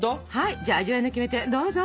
じゃあ早速味わいのキメテどうぞ！